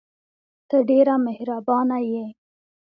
ته ډېره مهربانه یې !